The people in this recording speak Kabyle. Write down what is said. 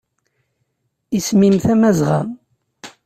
Isem-im Tamazɣa.